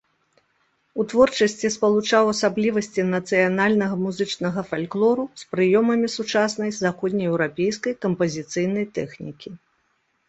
У творчасці спалучаў асаблівасці нацыянальнага музычнага фальклору з прыёмамі сучаснай заходнееўрапейскай кампазіцыйнай тэхнікі.